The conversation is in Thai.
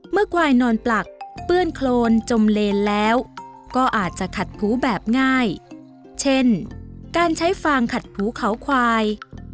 ควายนอนปลักเปื้อนโครนจมเลนแล้วก็อาจจะขัดผูแบบง่ายเช่นการใช้ฟางขัดภูเขาควาย